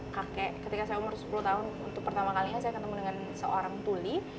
kakek ketika saya umur sepuluh tahun untuk pertama kalinya saya ketemu dengan seorang tuli